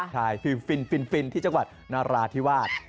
ใช่ฟิลฟินที่จังหวัดนาราธิวาส